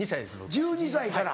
１２歳から。